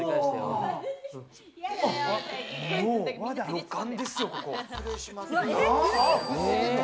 旅館ですよ、ここ。